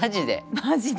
マジで。